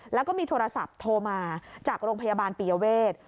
แล้วก็มีโทรศัพท์โทรมาจากโรงพยาบาลปียเวท